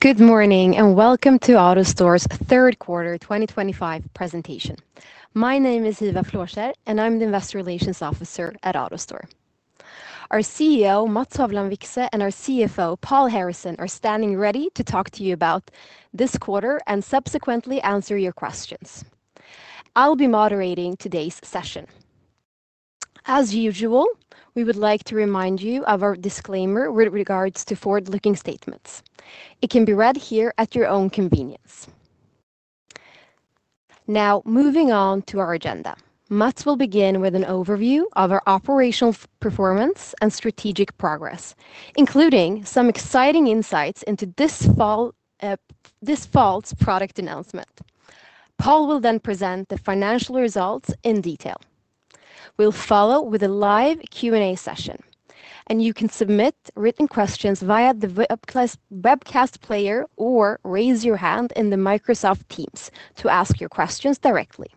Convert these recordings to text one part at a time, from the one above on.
Good morning and welcome to AutoStore's third quarter 2025 presentation. My name is Hiva Flåskjer, and I'm the Investor Relations Officer at AutoStore. Our CEO, Mats Hovland Vikse, and our CFO, Paul Harrison, are standing ready to talk to you about this quarter and subsequently answer your questions. I'll be moderating today's session. As usual, we would like to remind you of our disclaimer with regards to forward-looking statements. It can be read here at your own convenience. Now, moving on to our agenda, Mats will begin with an overview of our operational performance and strategic progress, including some exciting insights into this fall's product announcement. Paul will then present the financial results in detail. We'll follow with a live Q&A session, and you can submit written questions via the webcast player or raise your hand in the Microsoft Teams to ask your questions directly.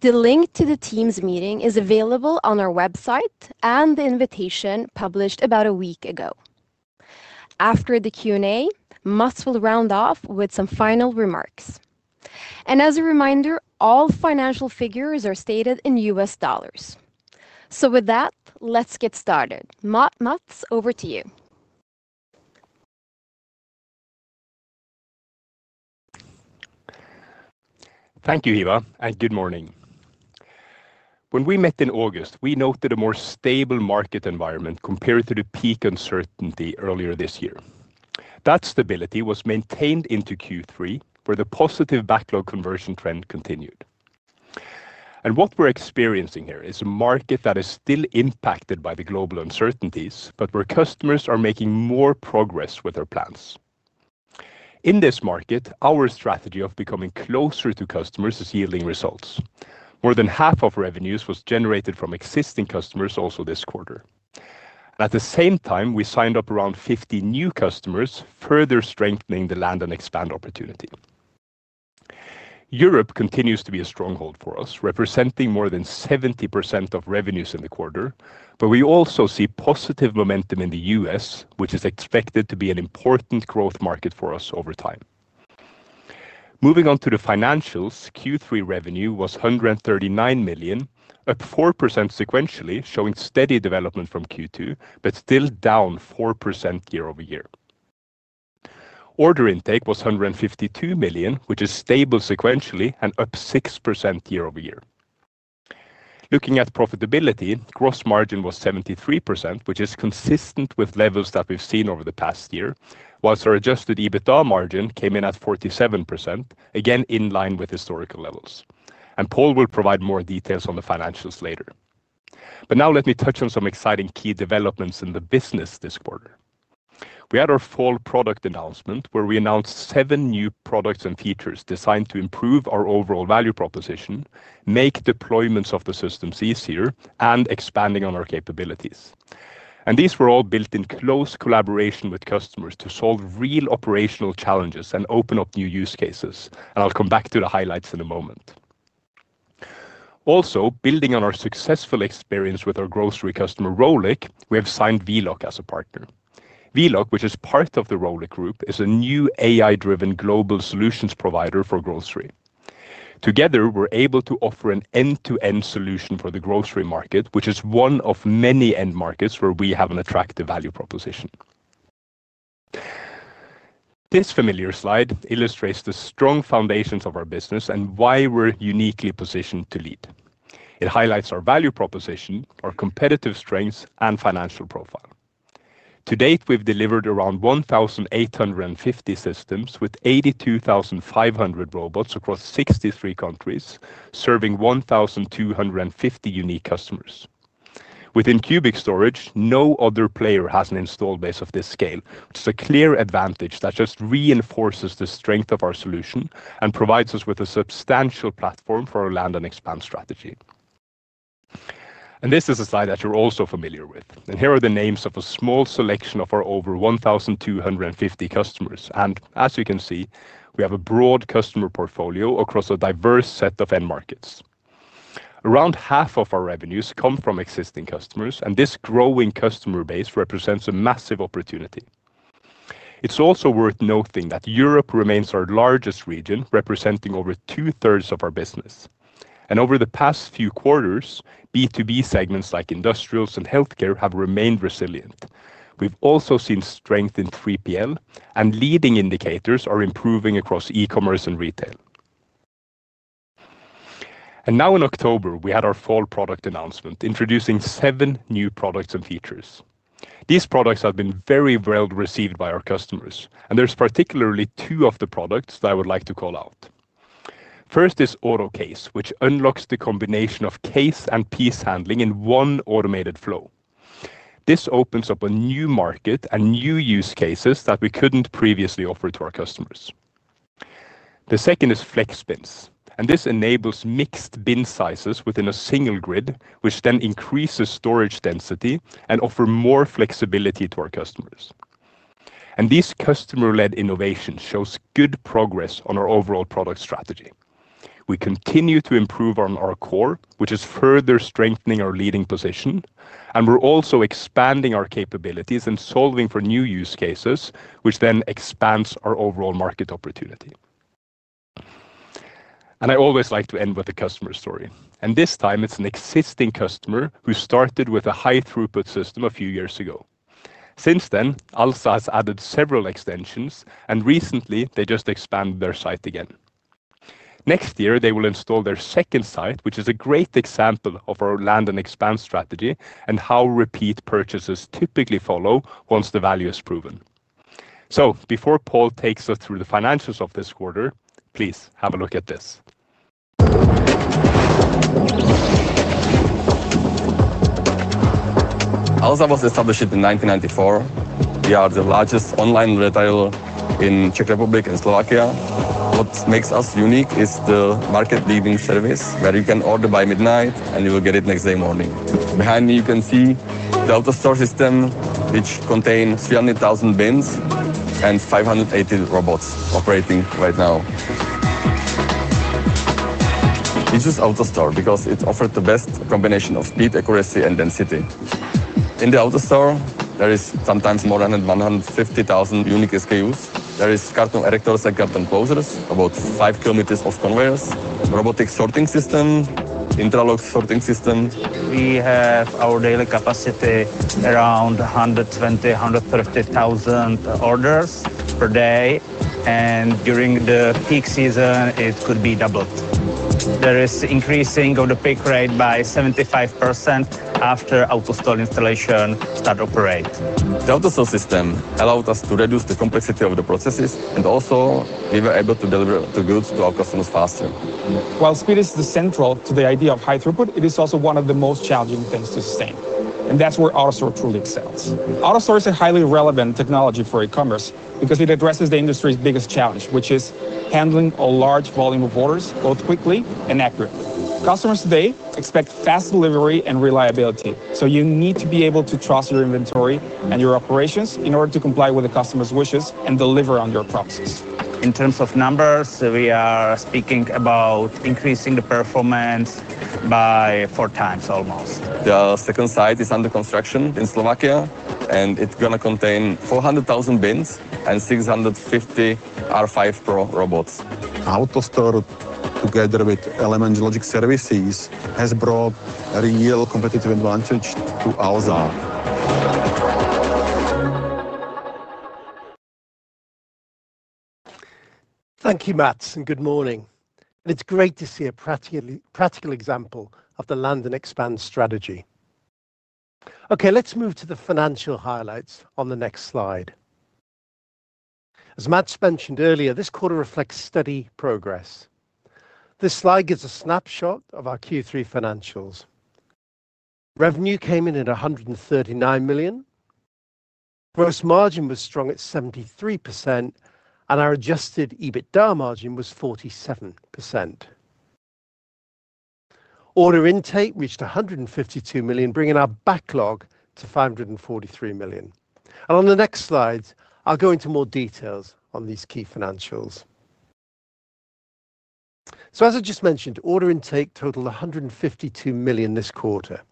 The link to the Teams meeting is available on our website and the invitation published about a week ago. After the Q&A, Mats will round off with some final remarks. As a reminder, all financial figures are stated in U.S. dollars. With that, let's get started. Mats, over to you. Thank you, Hiva, and good morning. When we met in August, we noted a more stable market environment compared to the peak uncertainty earlier this year. That stability was maintained into Q3, where the positive backlog conversion trend continued. What we are experiencing here is a market that is still impacted by the global uncertainties, but where customers are making more progress with their plans. In this market, our strategy of becoming closer to customers is yielding results. More than half of revenues was generated from existing customers also this quarter. At the same time, we signed up around 50 new customers, further strengthening the land and expand opportunity. Europe continues to be a stronghold for us, representing more than 70% of revenues in the quarter, but we also see positive momentum in the U.S., which is expected to be an important growth market for us over time. Moving on to the financials, Q3 revenue was $139 million, up 4% sequentially, showing steady development from Q2, but still down 4% year-over-year. Order intake was $152 million, which is stable sequentially and up 6% year-over-year. Looking at profitability, gross margin was 73%, which is consistent with levels that we've seen over the past year, whilst our adjusted EBITDA margin came in at 47%, again in line with historical levels. Paul will provide more details on the financials later. Now let me touch on some exciting key developments in the business this quarter. We had our fall product announcement, where we announced seven new products and features designed to improve our overall value proposition, make deployments of the systems easier, and expand on our capabilities. These were all built in close collaboration with customers to solve real operational challenges and open up new use cases. I'll come back to the highlights in a moment. Also, building on our successful experience with our grocery customer Rohlik, we have signed Veloq as a partner. Veloq, which is part of the Rohlik Group, is a new AI-driven global solutions provider for grocery. Together, we're able to offer an end-to-end solution for the grocery market, which is one of many end markets where we have an attractive value proposition. This familiar slide illustrates the strong foundations of our business and why we're uniquely positioned to lead. It highlights our value proposition, our competitive strengths, and financial profile. To date, we've delivered around 1,850 systems with 82,500 robots across 63 countries, serving 1,250 unique customers. Within cubic storage, no other player has an install base of this scale, which is a clear advantage that just reinforces the strength of our solution and provides us with a substantial platform for our land and expand strategy. This is a slide that you're also familiar with. Here are the names of a small selection of our over 1,250 customers. As you can see, we have a broad customer portfolio across a diverse set of end markets. Around half of our revenues come from existing customers, and this growing customer base represents a massive opportunity. It's also worth noting that Europe remains our largest region, representing over 2/3 of our business. Over the past few quarters, B2B segments like industrials and healthcare have remained resilient. We've also seen strength in 3PL, and leading indicators are improving across e-commerce and retail. In October, we had our fall product announcement, introducing seven new products and features. These products have been very well received by our customers, and there are particularly two of the products that I would like to call out. First is AutoCase, which unlocks the combination of case and piece handling in one automated flow. This opens up a new market and new use cases that we could not previously offer to our customers. The second is FlexBins, and this enables mixed bin sizes within a single grid, which increases storage density and offers more flexibility to our customers. These customer-led innovations show good progress on our overall product strategy. We continue to improve on our core, which is further strengthening our leading position, and we are also expanding our capabilities and solving for new use cases, which expands our overall market opportunity. I always like to end with a customer story. This time, it's an existing customer who started with a high-throughput system a few years ago. Since then, Alza has added several extensions, and recently, they just expanded their site again. Next year, they will install their second site, which is a great example of our land and expand strategy and how repeat purchases typically follow once the value is proven. Before Paul takes us through the financials of this quarter, please have a look at this. Alza was established in 1994. We are the largest online retailer in the Czech Republic and Slovakia. What makes us unique is the market-leading service, where you can order by midnight, and you will get it next day morning. Behind me, you can see the AutoStore system, which contains 300,000 bins and 580 robots operating right now. We choose AutoStore because it offers the best combination of speed, accuracy, and density. In the AutoStore, there are sometimes more than 150,000 unique SKUs. There are carton erectors and carton closers, about 5 km of conveyors, a robotic sorting system, and an interlock sorting system. We have our daily capacity around 120,000-130,000 orders per day. During the peak season, it could be doubled. There is an increase in the pick rate by 75% after AutoStore installation started to operate. The AutoStore system allowed us to reduce the complexity of the processes, and also, we were able to deliver the goods to our customers faster. While speed is central to the idea of high throughput, it is also one of the most challenging things to sustain. That is where AutoStore truly excels. AutoStore is a highly relevant technology for e-commerce because it addresses the industry's biggest challenge, which is handling a large volume of orders both quickly and accurately. Customers today expect fast delivery and reliability. You need to be able to trust your inventory and your operations in order to comply with the customer's wishes and deliver on your promises. In terms of numbers, we are speaking about increasing the performance by four times almost. The second site is under construction in Slovakia, and it's going to contain 400,000 bins and 650 R5 Pro robots. AutoStore, together with Element Logic Services, has brought a real competitive advantage to Alza. Thank you, Mats, and good morning. It is great to see a practical example of the land and expand strategy. Okay, let's move to the financial highlights on the next slide. As Mats mentioned earlier, this quarter reflects steady progress. This slide gives a snapshot of our Q3 financials. Revenue came in at $139 million. Gross margin was strong at 73%, and our adjusted EBITDA margin was 47%. Order intake reached $152 million, bringing our backlog to $543 million. On the next slide, I will go into more details on these key financials. As I just mentioned, order intake totaled $152 million this quarter.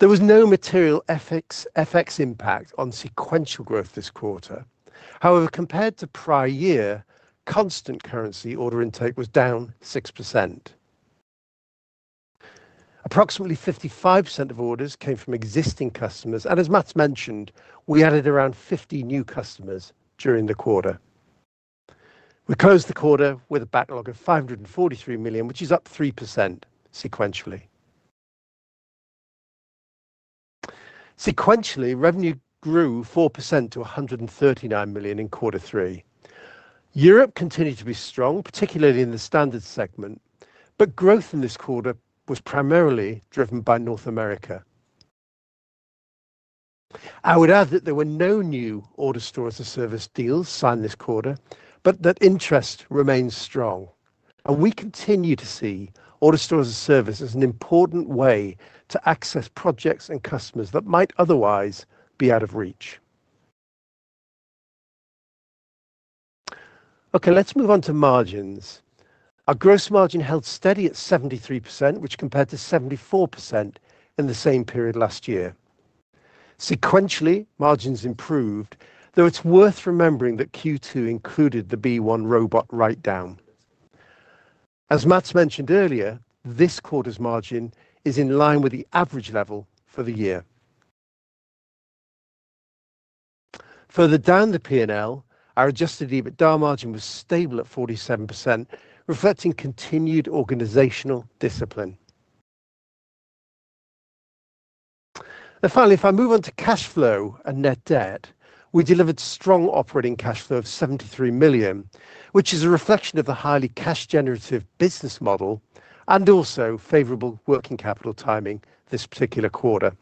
There was no material FX impact on sequential growth this quarter. However, compared to prior year, constant currency order intake was down 6%. Approximately 55% of orders came from existing customers. As Mats mentioned, we added around 50 new customers during the quarter. We closed the quarter with a backlog of $543 million, which is up 3% sequentially. Sequentially, revenue grew 4% to $139 million in quarter three. Europe continued to be strong, particularly in the standard segment, but growth in this quarter was primarily driven by North America. I would add that there were no new AutoStore-as-a-Service deals signed this quarter, but that interest remains strong. We continue to see AutoStore-as-a-Service as an important way to access projects and customers that might otherwise be out of reach. Okay, let's move on to margins. Our gross margin held steady at 73%, which compared to 74% in the same period last year. Sequentially, margins improved, though it's worth remembering that Q2 included the B1 robot write-down. As Mats mentioned earlier, this quarter's margin is in line with the average level for the year. Further down the P&L, our adjusted EBITDA margin was stable at 47%, reflecting continued organizational discipline. Finally, if I move on to cash flow and net debt, we delivered strong operating cash flow of $73 million, which is a reflection of the highly cash-generative business model and also favorable working capital timing this particular quarter.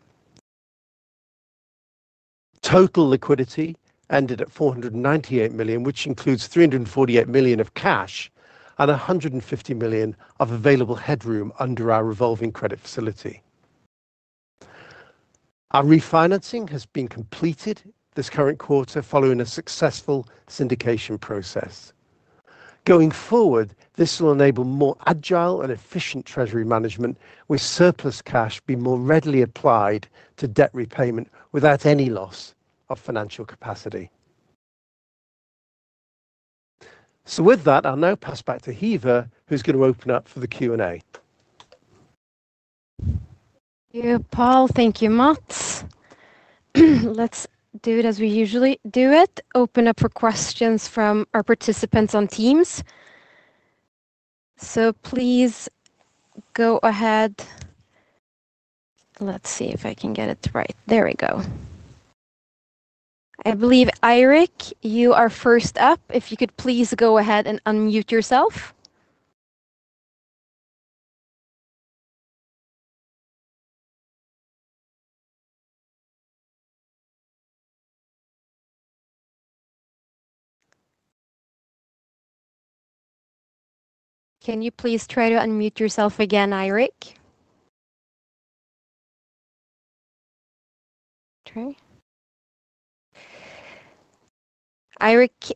Total liquidity ended at $498 million, which includes $348 million of cash and $150 million of available headroom under our revolving credit facility. Our refinancing has been completed this current quarter following a successful syndication process. Going forward, this will enable more agile and efficient treasury management, with surplus cash being more readily applied to debt repayment without any loss of financial capacity. With that, I'll now pass back to Hiva, who's going to open up for the Q&A. Thank you, Paul. Thank you, Mats. Let's do it as we usually do it. Open up for questions from our participants on Teams. Please go ahead. Let's see if I can get it right. There we go. I believe Eirik, you are first up. If you could please go ahead and unmute yourself. Can you please try to unmute yourself again, Eirik? Okay. Eirik,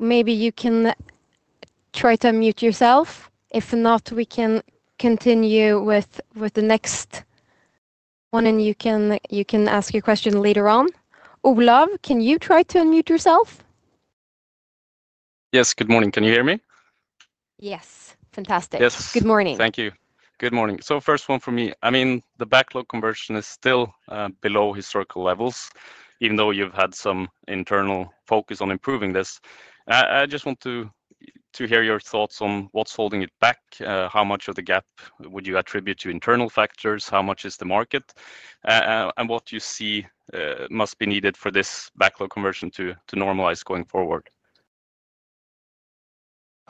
maybe you can try to unmute yourself. If not, we can continue with the next one, and you can ask your question later on. Olav, can you try to unmute yourself? Yes, good morning. Can you hear me? Yes, fantastic. Yes. Good morning. Thank you. Good morning. First one for me. I mean, the backlog conversion is still below historical levels, even though you've had some internal focus on improving this. I just want to hear your thoughts on what's holding it back. How much of the gap would you attribute to internal factors? How much is the market? What do you see must be needed for this backlog conversion to normalize going forward?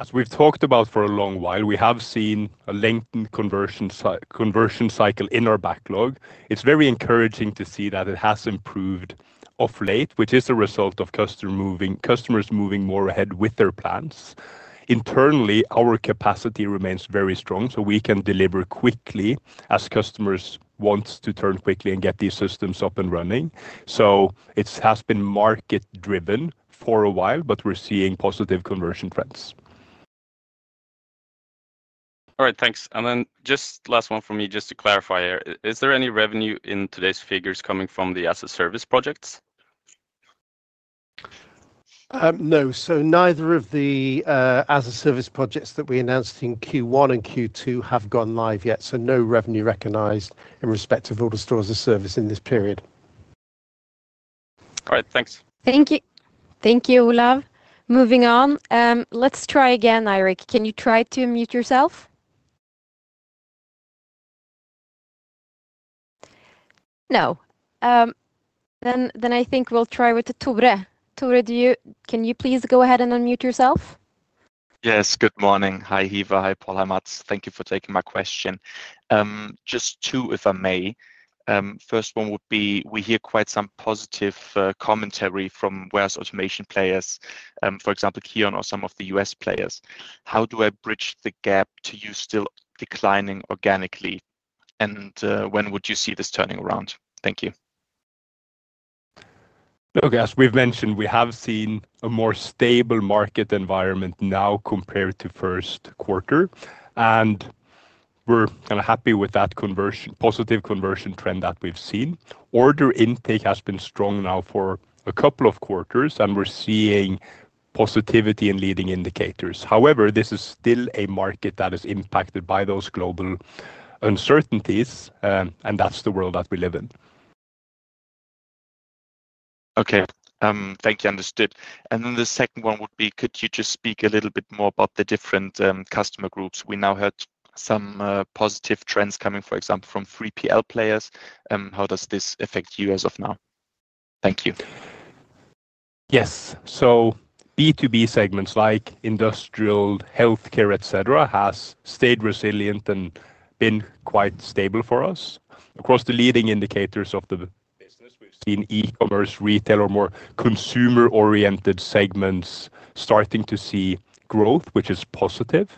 As we've talked about for a long while, we have seen a lengthened conversion cycle in our backlog. It's very encouraging to see that it has improved of late, which is a result of customers moving more ahead with their plans. Internally, our capacity remains very strong, so we can deliver quickly as customers want to turn quickly and get these systems up and running. It has been market-driven for a while, but we're seeing positive conversion trends. All right, thanks. Just last one for me, just to clarify here. Is there any revenue in today's figures coming from the as-a-service projects? No. So neither of the as-a-Service projects that we announced in Q1 and Q2 have gone live yet, so no revenue recognized in respect of AutoStore-as-a-Service in this period. All right, thanks. Thank you. Thank you, Olav. Moving on. Let's try again, Eirik. Can you try to unmute yourself? No. I think we'll try with Tore. Tore, can you please go ahead and unmute yourself? Yes, good morning. Hi, Hiva. Hi, Paul. Hi, Mats. Thank you for taking my question. Just two, if I may. First one would be, we hear quite some positive commentary from warehouse automation players, for example, KION or some of the U.S. players. How do I bridge the gap to you still declining organically? And when would you see this turning around? Thank you. Look, as we've mentioned, we have seen a more stable market environment now compared to first quarter. We're kind of happy with that positive conversion trend that we've seen. Order intake has been strong now for a couple of quarters, and we're seeing positivity in leading indicators. However, this is still a market that is impacted by those global uncertainties, and that's the world that we live in. Okay, thank you. Understood. The second one would be, could you just speak a little bit more about the different customer groups? We now heard some positive trends coming, for example, from 3PL players. How does this affect you as of now? Thank you. Yes. B2B segments like industrial, healthcare, etc., have stayed resilient and been quite stable for us. Across the leading indicators of the business, we've seen e-commerce, retail, or more consumer-oriented segments starting to see growth, which is positive.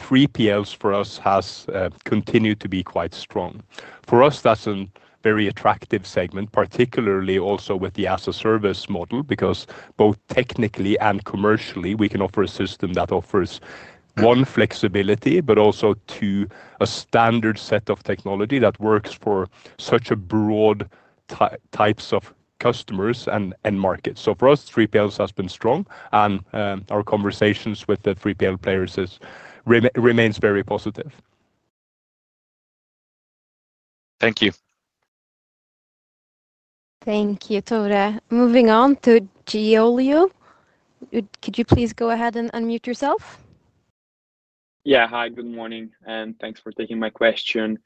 3PLs for us have continued to be quite strong. For us, that's a very attractive segment, particularly also with the as-a-Service model, because both technically and commercially, we can offer a system that offers one, flexibility, but also two, a standard set of technology that works for such broad types of customers and markets. For us, 3PLs have been strong, and our conversations with the 3PL players remain very positive. Thank you. Thank you, Tore. Moving on to Giolio. Could you please go ahead and unmute yourself? Yeah, hi, good morning, and thanks for taking my question.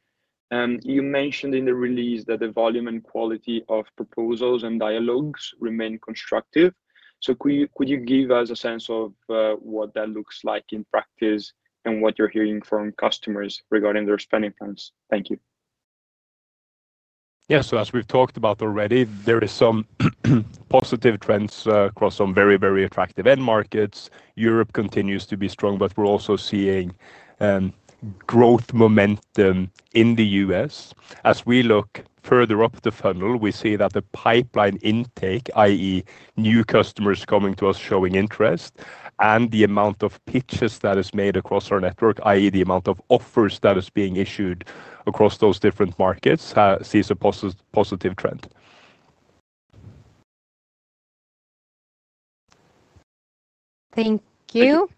You mentioned in the release that the volume and quality of proposals and dialogues remain constructive. Could you give us a sense of what that looks like in practice and what you're hearing from customers regarding their spending plans? Thank you. Yes. As we have talked about already, there are some positive trends across some very, very attractive end markets. Europe continues to be strong, but we are also seeing growth momentum in the U.S. As we look further up the funnel, we see that the pipeline intake, i.e., new customers coming to us showing interest, and the amount of pitches that are made across our network, i.e., the amount of offers that are being issued across those different markets, see a positive trend. Thank you.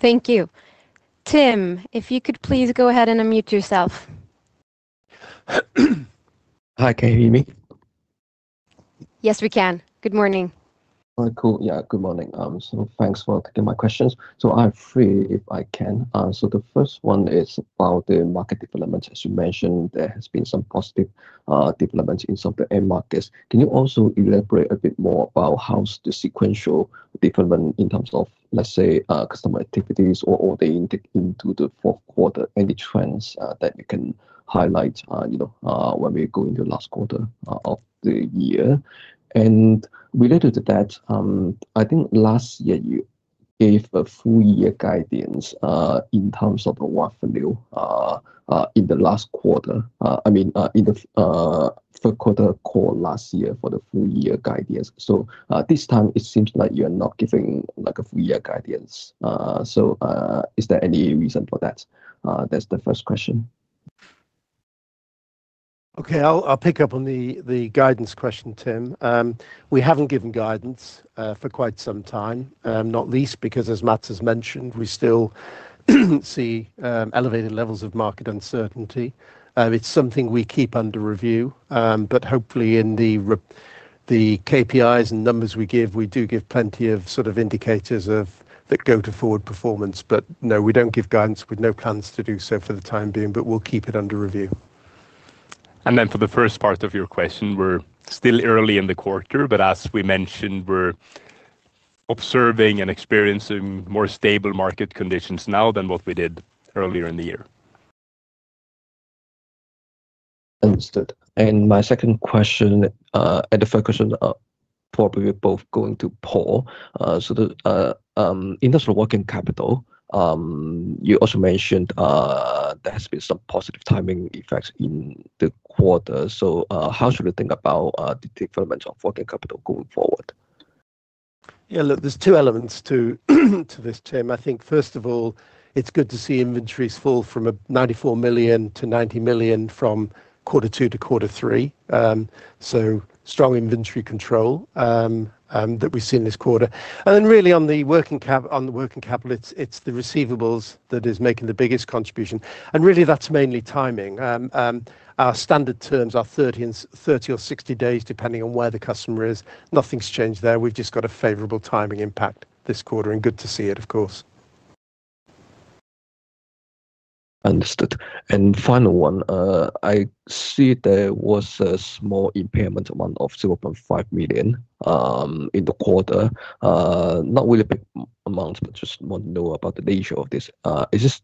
Thank you. Tim, if you could please go ahead and unmute yourself. Hi, can you hear me? Yes, we can. Good morning. Yeah, good morning. Thanks for taking my questions. I'm three if I can. The first one is about the market development. As you mentioned, there have been some positive developments in some of the end markets. Can you also elaborate a bit more about how the sequential development in terms of, let's say, customer activities or order intake into the fourth quarter, any trends that you can highlight when we go into the last quarter of the year? Related to that, I think last year, you gave a full-year guidance in terms of the revenue. In the last quarter, I mean, in the fourth quarter call last year for the full-year guidance. This time, it seems like you're not giving a full-year guidance. Is there any reason for that? That's the first question. Okay, I'll pick up on the guidance question, Tim. We haven't given guidance for quite some time, not least because, as Mats has mentioned, we still see elevated levels of market uncertainty. It's something we keep under review. Hopefully, in the KPIs and numbers we give, we do give plenty of sort of indicators that go to forward performance. No, we don't give guidance. We have no plans to do so for the time being, but we'll keep it under review. For the first part of your question, we're still early in the quarter, but as we mentioned, we're observing and experiencing more stable market conditions now than what we did earlier in the year. Understood. My second question, and the focus is probably both going to Paul. Industrial working capital, you also mentioned. There has been some positive timing effects in the quarter. How should we think about the development of working capital going forward? Yeah, look, there's two elements to this, Tim. I think, first of all, it's good to see inventories fall from $94 million to $90 million from quarter two to quarter three. Strong inventory control that we've seen this quarter. Really on the working capital, it's the receivables that are making the biggest contribution. Really, that's mainly timing. Our standard terms are 30 or 60 days, depending on where the customer is. Nothing's changed there. We've just got a favorable timing impact this quarter, and good to see it, of course. Understood. And final one, I see there was a small impairment amount of $0.5 million in the quarter. Not really a big amount, but just want to know about the nature of this. Is this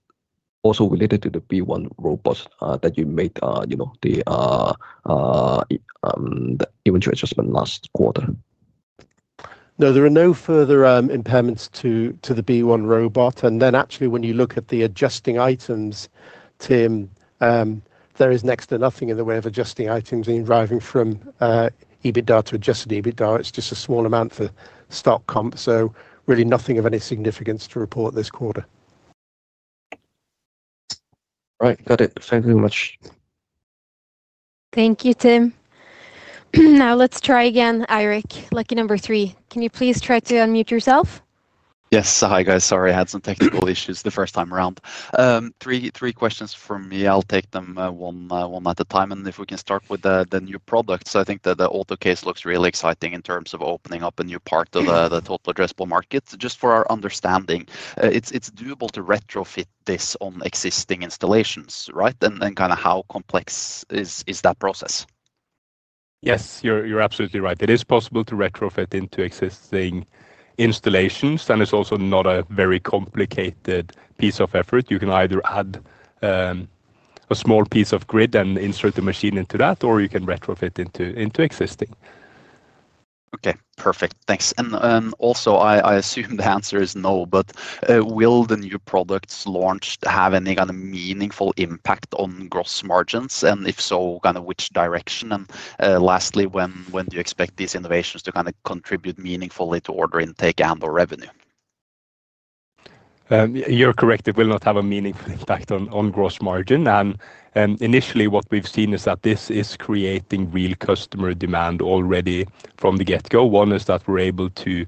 also related to the B1 robot that you made the inventory adjustment last quarter? No, there are no further impairments to the B1 robot. Actually, when you look at the adjusting items, Tim, there is next to nothing in the way of adjusting items deriving from EBITDA to adjusted EBITDA. It's just a small amount for stock comp. Really nothing of any significance to report this quarter. All right, got it. Thank you very much. Thank you, Tim. Now let's try again, Eirik. Lucky number three, can you please try to unmute yourself? Yes. Hi, guys. Sorry, I had some technical issues the first time around. Three questions for me. I'll take them one at a time. If we can start with the new product. I think that the AutoCase looks really exciting in terms of opening up a new part of the total addressable market. Just for our understanding, it's doable to retrofit this on existing installations, right? Kind of how complex is that process? Yes, you're absolutely right. It is possible to retrofit into existing installations, and it's also not a very complicated piece of effort. You can either add a small piece of grid and insert the machine into that, or you can retrofit into existing. Okay, perfect. Thanks. I assume the answer is no, but will the new products launched have any kind of meaningful impact on gross margins? If so, kind of which direction? Lastly, when do you expect these innovations to kind of contribute meaningfully to order intake and/or revenue? You're correct. It will not have a meaningful impact on gross margin. Initially, what we've seen is that this is creating real customer demand already from the get-go. One is that we're able to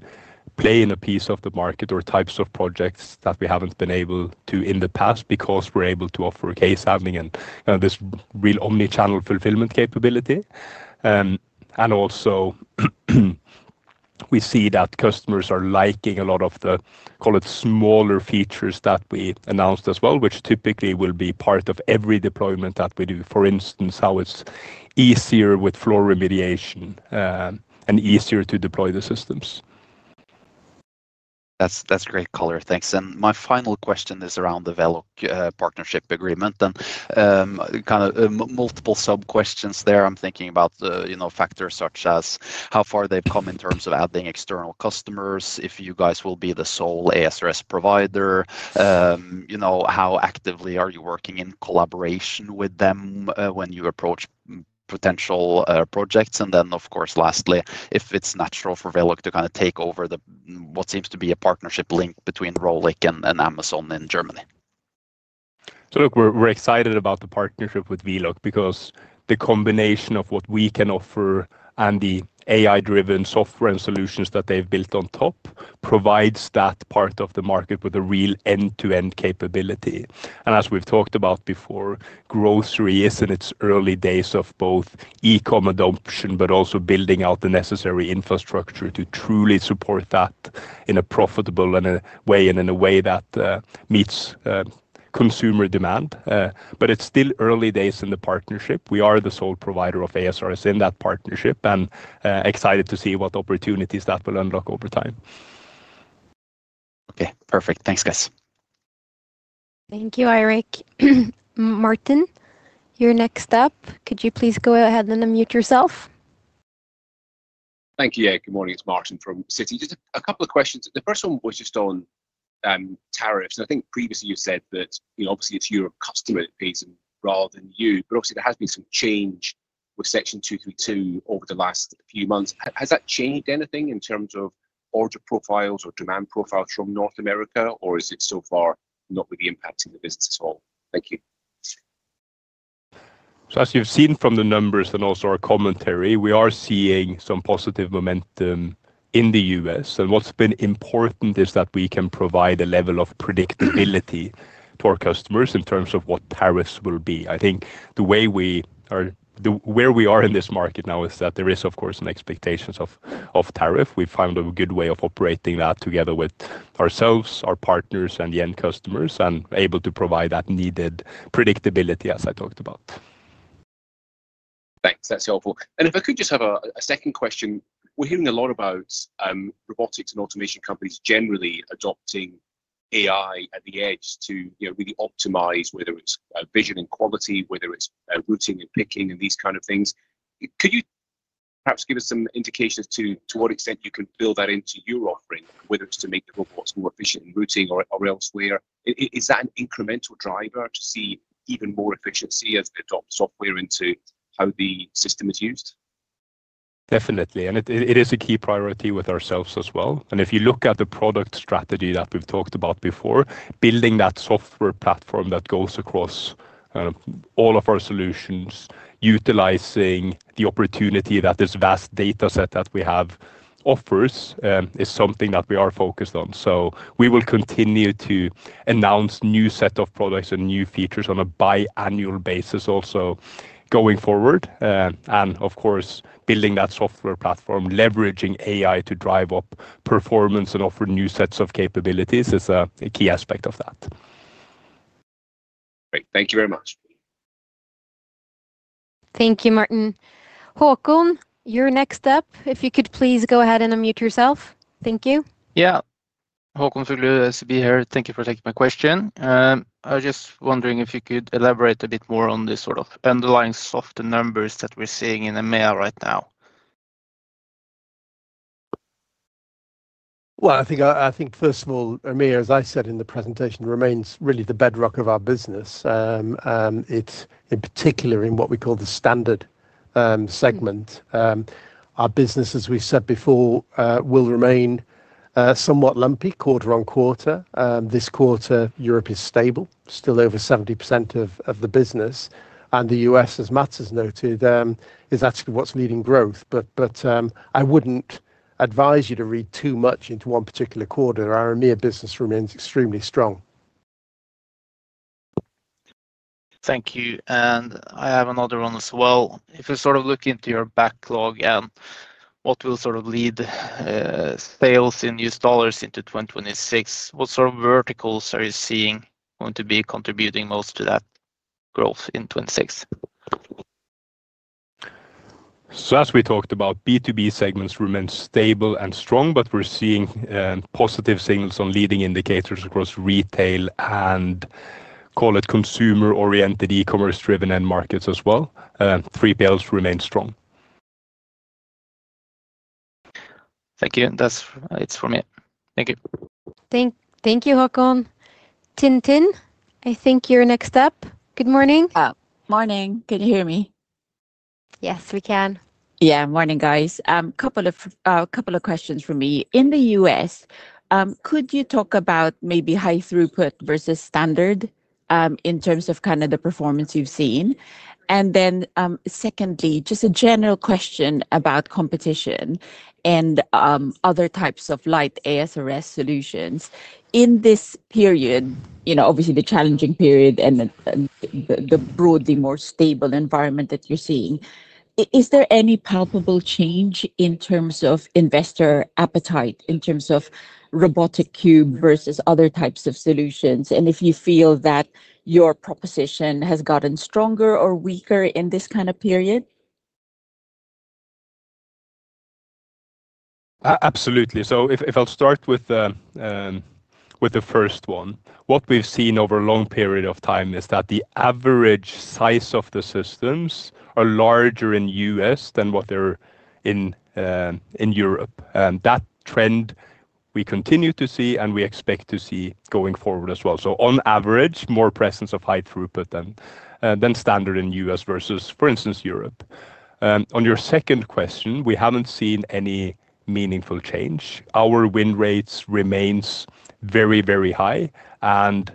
play in a piece of the market or types of projects that we haven't been able to in the past because we're able to offer case handling and this real omnichannel fulfillment capability. Also, we see that customers are liking a lot of the, call it, smaller features that we announced as well, which typically will be part of every deployment that we do. For instance, how it's easier with floor remediation and easier to deploy the systems. That's great color. Thanks. My final question is around the Veloq partnership agreement. Kind of multiple sub-questions there. I'm thinking about factors such as how far they've come in terms of adding external customers, if you guys will be the sole ASRS provider. How actively are you working in collaboration with them when you approach potential projects? Of course, lastly, if it's natural for Veloq to kind of take over what seems to be a partnership link between Rohlik and Amazon in Germany. Look, we're excited about the partnership with Veloq because the combination of what we can offer and the AI-driven software and solutions that they've built on top provides that part of the market with a real end-to-end capability. As we've talked about before, grocery is in its early days of both e-com adoption, but also building out the necessary infrastructure to truly support that in a profitable way and in a way that meets consumer demand. It's still early days in the partnership. We are the sole provider of ASRS in that partnership and excited to see what opportunities that will unlock over time. Okay, perfect. Thanks, guys. Thank you, Eirik. Martin, you're next up. Could you please go ahead and unmute yourself? Thank you. Yeah, good morning. It's Martin from Citi. Just a couple of questions. The first one was just on tariffs. And I think previously you said that obviously it's your customer that pays them rather than you. But obviously, there has been some change with Section 232 over the last few months. Has that changed anything in terms of order profiles or demand profiles from North America, or is it so far not really impacting the business at all? Thank you. As you've seen from the numbers and also our commentary, we are seeing some positive momentum in the U.S. What's been important is that we can provide a level of predictability to our customers in terms of what tariffs will be. I think the way we are, where we are in this market now is that there is, of course, an expectation of tariff. We found a good way of operating that together with ourselves, our partners, and the end customers and able to provide that needed predictability, as I talked about. Thanks. That's helpful. If I could just have a second question, we're hearing a lot about robotics and automation companies generally adopting AI at the edge to really optimize, whether it's vision and quality, whether it's routing and picking and these kind of things. Could you perhaps give us some indications to what extent you can build that into your offering, whether it's to make the robots more efficient in routing or elsewhere? Is that an incremental driver to see even more efficiency as they adopt software into how the system is used? Definitely. It is a key priority with ourselves as well. If you look at the product strategy that we've talked about before, building that software platform that goes across all of our solutions, utilizing the opportunity that this vast dataset that we have offers is something that we are focused on. We will continue to announce new sets of products and new features on a biannual basis also going forward. Of course, building that software platform, leveraging AI to drive up performance and offer new sets of capabilities is a key aspect of that. Great. Thank you very much. Thank you, Martin. Håkon, you're next up. If you could please go ahead and unmute yourself. Thank you. Yeah. Håkon Fuglu, SEB here. Thank you for taking my question. I was just wondering if you could elaborate a bit more on the sort of underlying soft numbers that we're seeing in EMEA right now. I think, first of all, EMEA, as I said in the presentation, remains really the bedrock of our business. In particular, in what we call the standard segment. Our business, as we said before, will remain somewhat lumpy quarter-on-quarter. This quarter, Europe is stable, still over 70% of the business. And the U.S., as Mats has noted, is actually what's leading growth. I would not advise you to read too much into one particular quarter. Our EMEA business remains extremely strong. Thank you. I have another one as well. If we sort of look into your backlog and what will sort of lead sales in U.S. dollars into 2026, what sort of verticals are you seeing going to be contributing most to that growth in 2026? As we talked about, B2B segments remain stable and strong, but we're seeing positive signals on leading indicators across retail and, call it, consumer-oriented, e-commerce-driven end markets as well. Three pillars remain strong. Thank you. That's it for me. Thank you. Thank you, Håkon. Tintin, I think you're next up. Good morning. Morning. Can you hear me? Yes, we can. Yeah. Morning, guys. A couple of questions for me. In the U.S., could you talk about maybe high throughput versus standard. In terms of kind of the performance you've seen? Secondly, just a general question about competition and other types of light ASRS solutions. In this period, obviously the challenging period and the broadly more stable environment that you're seeing, is there any palpable change in terms of investor appetite, in terms of robotic cube versus other types of solutions? If you feel that your proposition has gotten stronger or weaker in this kind of period? Absolutely. If I start with the first one, what we've seen over a long period of time is that the average size of the systems are larger in the U.S. than what they are in Europe. That trend we continue to see and we expect to see going forward as well. On average, more presence of high throughput than standard in the U.S. versus, for instance, Europe. On your second question, we haven't seen any meaningful change. Our win rates remains very, very high, and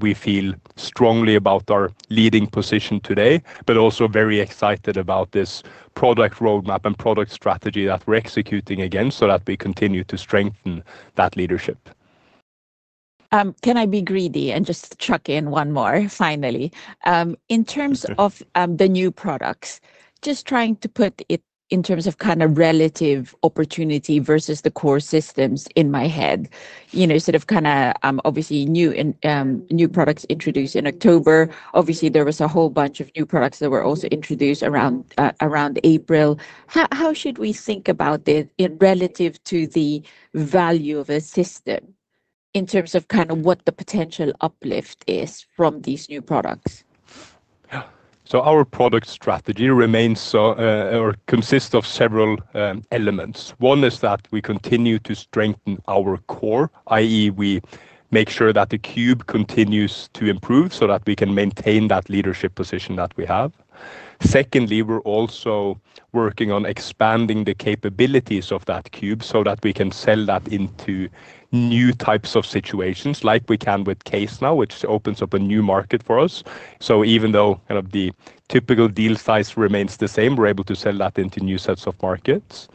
we feel strongly about our leading position today, but also very excited about this product roadmap and product strategy that we're executing against so that we continue to strengthen that leadership. Can I be greedy and just chuck in one more, finally? In terms of the new products, just trying to put it in terms of kind of relative opportunity versus the core systems in my head, sort of kind of obviously new products introduced in October. Obviously, there was a whole bunch of new products that were also introduced around April. How should we think about it relative to the value of a system in terms of kind of what the potential uplift is from these new products? Yeah. Our product strategy consists of several elements. One is that we continue to strengthen our core, i.e., we make sure that the cube continues to improve so that we can maintain that leadership position that we have. Secondly, we're also working on expanding the capabilities of that cube so that we can sell that into new types of situations like we can with [CaseNow], which opens up a new market for us. Even though kind of the typical deal size remains the same, we're able to sell that into new sets of markets.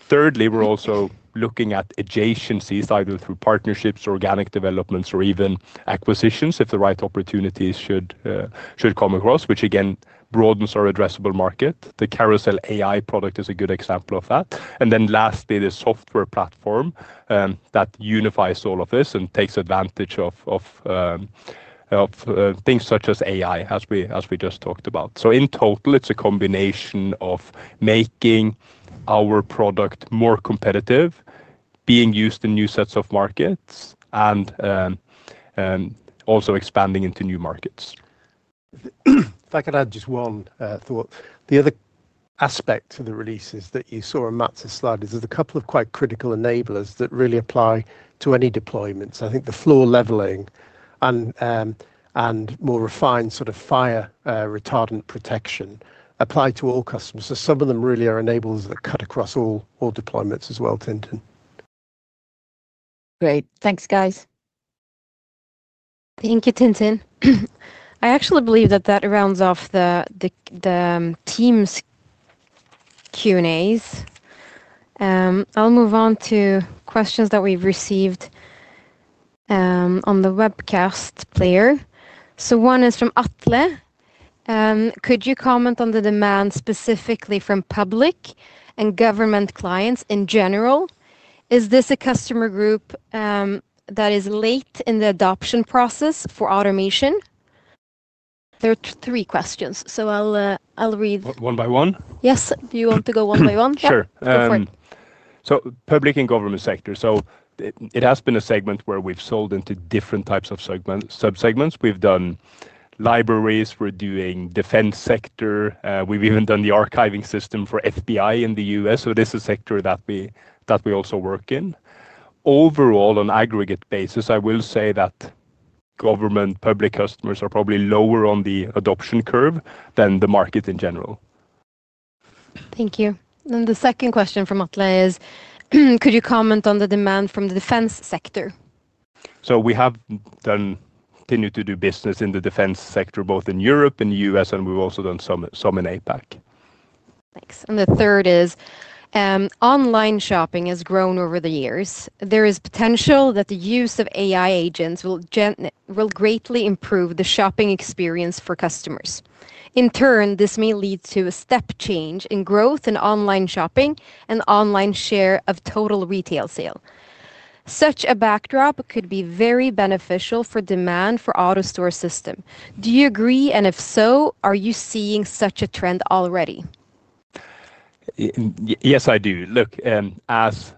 Thirdly, we're also looking at adjacencies, either through partnerships, organic developments, or even acquisitions if the right opportunities should come across, which again broadens our addressable market. The CarouselAI product is a good example of that. Lastly, the software platform that unifies all of this and takes advantage of. Things such as AI, as we just talked about. In total, it's a combination of making our product more competitive, being used in new sets of markets, and also expanding into new markets. If I could add just one thought. The other aspect to the releases that you saw in Mats' slide is there's a couple of quite critical enablers that really apply to any deployments. I think the floor leveling and more refined sort of fire retardant protection apply to all customers. Some of them really are enablers that cut across all deployments as well, Tintin. Great. Thanks, guys. Thank you, Tintin. I actually believe that that rounds off the team's Q&As. I'll move on to questions that we've received on the webcast player. One is from Atle. Could you comment on the demand specifically from public and government clients in general? Is this a customer group that is late in the adoption process for automation? There are three questions, so I'll read. One by one? Yes. Do you want to go one by one? Sure. Public and government sector. It has been a segment where we've sold into different types of subsegments. We've done libraries. We're doing defense sector. We've even done the archiving system for FBI in the U.S. This is a sector that we also work in. Overall, on an aggregate basis, I will say that government, public customers are probably lower on the adoption curve than the market in general. Thank you. The second question from Atle is, could you comment on the demand from the defense sector? We have continued to do business in the defense sector, both in Europe and the U.S., and we've also done some in APAC. Thanks. The third is online shopping has grown over the years. There is potential that the use of AI agents will greatly improve the shopping experience for customers. In turn, this may lead to a step change in growth in online shopping and online share of total retail sale. Such a backdrop could be very beneficial for demand for AutoStore system. Do you agree? If so, are you seeing such a trend already? Yes, I do. Look, as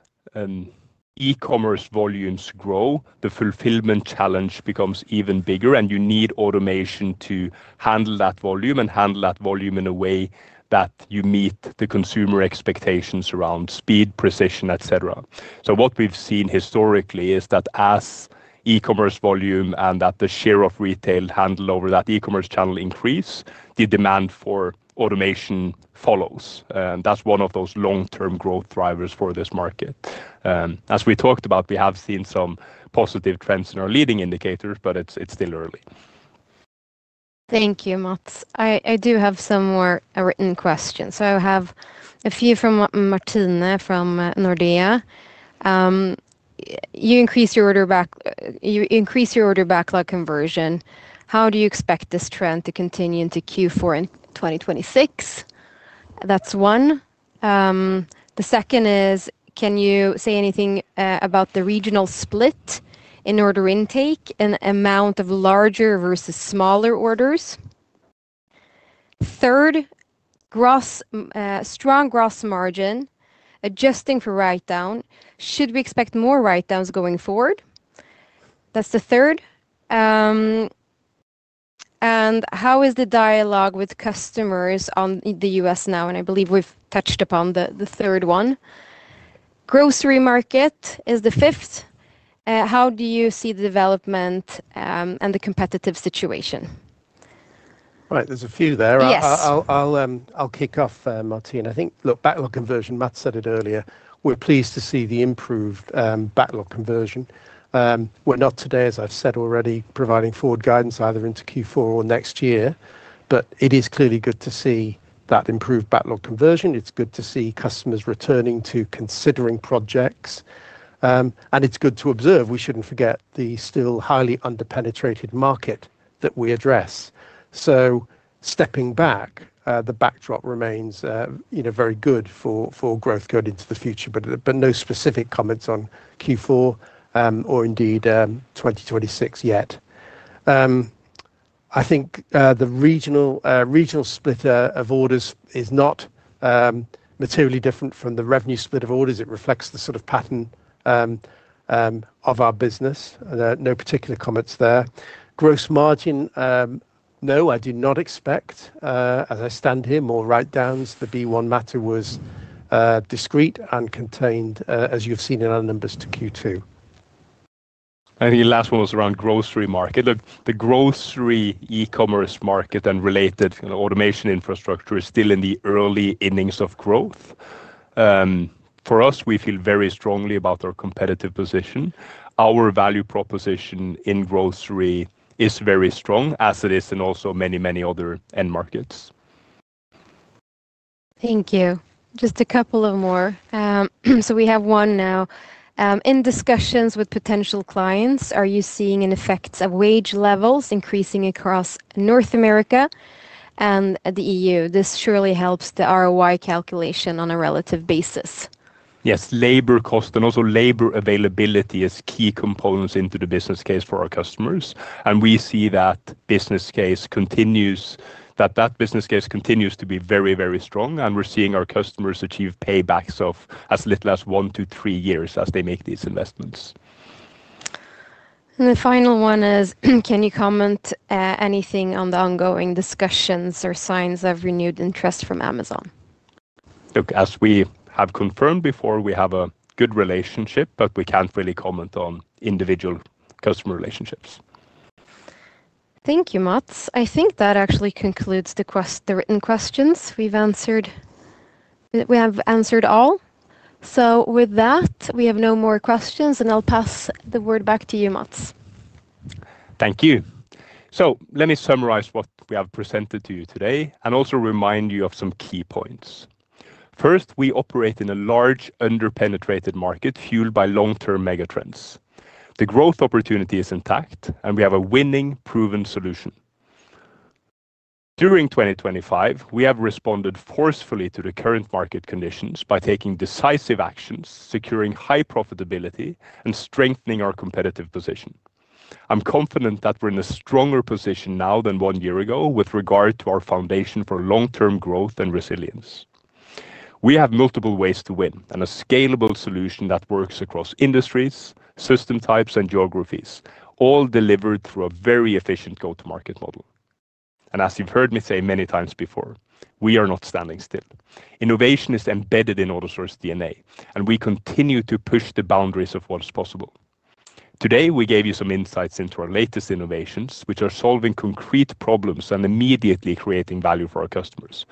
e-commerce volumes grow, the fulfillment challenge becomes even bigger, and you need automation to handle that volume and handle that volume in a way that you meet the consumer expectations around speed, precision, etc. What we've seen historically is that as e-commerce volume and the share of retail handled over that e-commerce channel increase, the demand for automation follows. That is one of those long-term growth drivers for this market. As we talked about, we have seen some positive trends in our leading indicators, but it's still early. Thank you, Mats. I do have some more written questions. I have a few from Martin from Nordea. You increased your order backlog conversion. How do you expect this trend to continue into Q4 in 2026? That is one. The second is, can you say anything about the regional split in order intake and amount of larger versus smaller orders? Third. Strong gross margin, adjusting for write-down. Should we expect more write-downs going forward? That is the third. How is the dialogue with customers in the U.S. now? I believe we have touched upon the third one. Grocery market is the fifth. How do you see the development and the competitive situation? Right. There's a few there. Yes. I'll kick off, Martin. I think backlog conversion, Mats said it earlier. We're pleased to see the improved backlog conversion. We're not today, as I've said already, providing forward guidance either into Q4 or next year, but it is clearly good to see that improved backlog conversion. It's good to see customers returning to considering projects. It's good to observe. We shouldn't forget the still highly under-penetrated market that we address. Stepping back, the backdrop remains very good for growth going into the future, but no specific comments on Q4 or indeed 2026 yet. I think the regional split of orders is not materially different from the revenue split of orders. It reflects the sort of pattern of our business. No particular comments there. Gross margin, no, I do not expect, as I stand here, more write-downs. The B1 matter was discreet and contained, as you've seen in other numbers, to Q2. I think the last one was around grocery market. Look, the grocery e-commerce market and related automation infrastructure is still in the early innings of growth. For us, we feel very strongly about our competitive position. Our value proposition in grocery is very strong, as it is in also many, many other end markets. Thank you. Just a couple of more. We have one now. In discussions with potential clients, are you seeing an effect of wage levels increasing across North America and the EU? This surely helps the ROI calculation on a relative basis. Yes. Labor cost and also labor availability is key components into the business case for our customers. We see that business case continues to be very, very strong. We are seeing our customers achieve paybacks of as little as one to three years as they make these investments. The final one is, can you comment anything on the ongoing discussions or signs of renewed interest from Amazon? Look, as we have confirmed before, we have a good relationship, but we can't really comment on individual customer relationships. Thank you, Mats. I think that actually concludes the written questions. We've answered all. With that, we have no more questions, and I'll pass the word back to you, Mats. Thank you. Let me summarize what we have presented to you today and also remind you of some key points. First, we operate in a large under-penetrated market fueled by long-term megatrends. The growth opportunity is intact, and we have a winning, proven solution. During 2025, we have responded forcefully to the current market conditions by taking decisive actions, securing high profitability, and strengthening our competitive position. I'm confident that we're in a stronger position now than one year ago with regard to our foundation for long-term growth and resilience. We have multiple ways to win and a scalable solution that works across industries, system types, and geographies, all delivered through a very efficient go-to-market model. As you've heard me say many times before, we are not standing still. Innovation is embedded in AutoStore's DNA, and we continue to push the boundaries of what is possible. Today, we gave you some insights into our latest innovations, which are solving concrete problems and immediately creating value for our customers.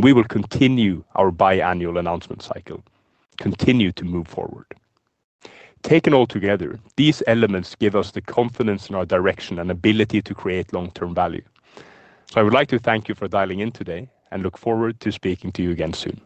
We will continue our biannual announcement cycle, continue to move forward. Taken all together, these elements give us the confidence in our direction and ability to create long-term value. I would like to thank you for dialing in today and look forward to speaking to you again soon.